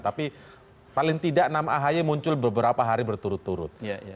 tapi paling tidak enam ahy muncul beberapa hari berturut turut